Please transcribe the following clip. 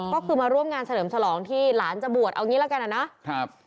ก็คือมาร่วมงานเฉลิมฉลองที่หลานจะบวชเอางี้ละกันนะครับ